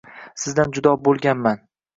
Sizdan judo boʻlganman